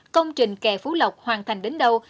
công trình kè phú lộc hoàn thành đến đâu